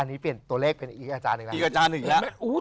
อันนี้เปลี่ยนตัวเลขเป็นอีกอาจารย์อีกแล้ว